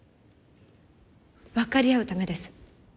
分かり合うためです。